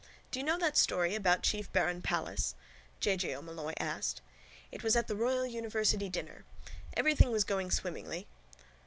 —Do you know that story about chief baron Palles? J. J. O'Molloy asked. It was at the royal university dinner. Everything was going swimmingly